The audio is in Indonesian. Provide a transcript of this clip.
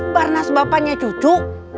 barnaz bapaknya cucu